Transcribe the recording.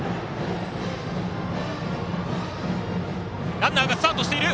ランナーがスタートしている。